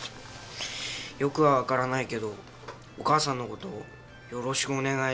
よくはわからないけどお母さんの事よろしくお願い